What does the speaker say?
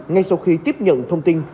ngay sau khi tiếp nhận thông tin